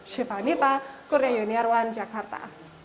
syifa nipah korea union yerwan jakarta